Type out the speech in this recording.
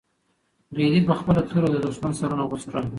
رېدي په خپله توره د دښمن سرونه غوڅ کړل.